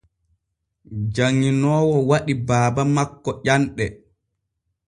Janŋinoowo waɗi baaba makko ƴanɗe.